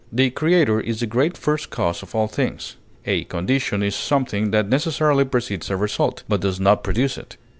The Creator is the Great First Cause of all things. A condition is something that necessarily precedes a result, but does not produce it.